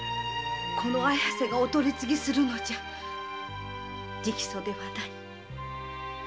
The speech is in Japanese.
この綾瀬がお取り次ぎするのじゃ直訴ではない。